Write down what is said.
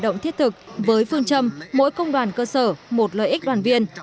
hoạt động thiết thực với phương châm mỗi công đoàn cơ sở một lợi ích đoàn viên